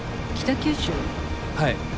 はい。